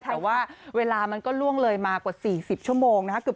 แต่ว่าเวลามันก็ล่วงเลยมากว่า๔๐ชั่วโมงนะครับ